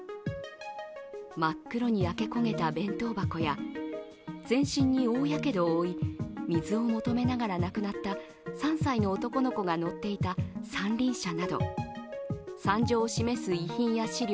真っ黒に焼け焦げた弁当箱や全身に大やけどを負い水を求めながら亡くなった３歳の男の子が乗っていた三輪車など惨状を示す遺品や資料